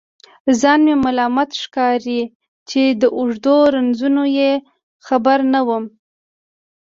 ځان مې ملامت ښکاري چې د اوږدو رنځونو یې خبر نه وم.